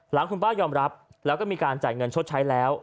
หลังคุณป้ายอมรับแล้วก็มีการจ่ายเงินชดใช้แล้ว